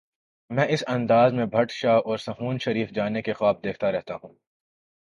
میں اس انداز میں بھٹ شاہ اور سہون شریف جانے کے خواب دیکھتا رہتا ہوں۔